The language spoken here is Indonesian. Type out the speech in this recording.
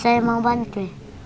bagaimana kamu mau bantu